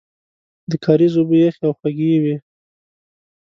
د کاریز اوبه یخې او خوږې وې.